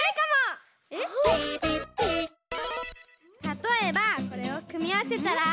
たとえばこれをくみあわせたら。